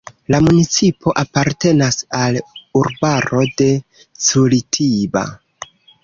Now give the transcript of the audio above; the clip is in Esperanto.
La municipo apartenas al urbaro de Curitiba.